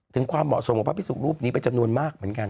ถึงความเหมาะส่วนมหาภาพฤศูนย์รูปนี้เป็นจำนวนมากเหมือนกัน